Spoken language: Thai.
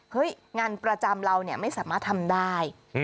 งานประจำเราไม่สามารถทำได้